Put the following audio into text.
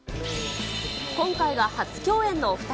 今回が初共演のお２人。